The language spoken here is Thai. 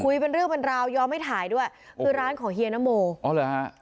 เป็นเรื่องเป็นราวยอมให้ถ่ายด้วยคือร้านของเฮียนโมอ๋อเหรอฮะ